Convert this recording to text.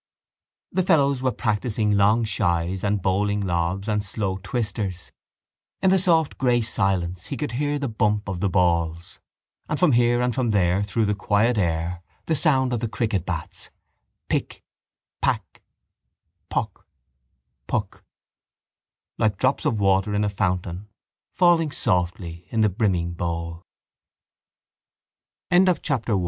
The fellows were practising long shies and bowling lobs and slow twisters. In the soft grey silence he could hear the bump of the balls: and from here and from there through the quiet air the sound of the cricket bats: pick, pack, pock, puck: like drops of water in a fountain falling softly in the